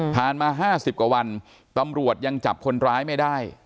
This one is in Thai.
มา๕๐กว่าวันตำรวจยังจับคนร้ายไม่ได้